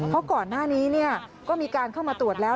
เพราะก่อนหน้านี้ก็มีการเข้ามาตรวจแล้ว